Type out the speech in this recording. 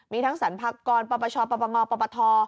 มีทั้งสรรพากรปชปงปปท